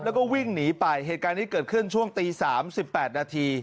แล้วก็วิ่งหนีไปเหตุการณ์ที่เกิดขึ้นช่วงตีสามสิบแปดนาที